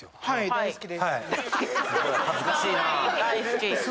大好き。